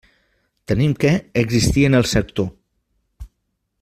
Tenim que «existir en el sector».